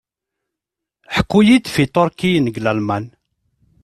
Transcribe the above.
Ḥku-yi-d f Iturkiyen g Lalman.